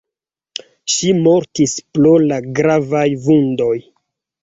Ŝi mortis pro la gravaj vundoj.